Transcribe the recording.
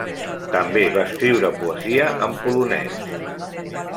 També va escriure poesia en polonès.